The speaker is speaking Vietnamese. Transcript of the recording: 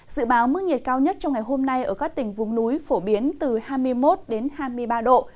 dự báo mức nhiệt cao nhất trong ngày hôm nay ở các tỉnh vùng núi phổ biến từ hai mươi một đến hai mươi ba độ